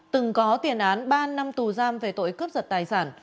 từng có tiền án ba năm tù giam về tội cướp giật tài sản